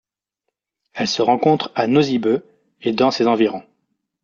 Elle se rencontre à Nosy Be et dns ses environs.